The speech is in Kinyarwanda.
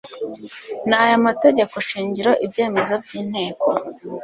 n aya mategeko shingiro ibyemezo by inteko